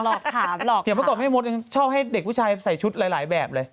อย่างเมื่อก่อนแม่มดยังชอบให้เด็กผู้ชายใส่ชุดหลายแบบเลย